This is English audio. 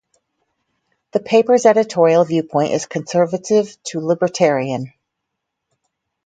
The paper's editorial viewpoint is conservative to libertarian.